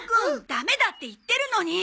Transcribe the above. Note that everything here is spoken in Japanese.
ダメだって言ってるのに！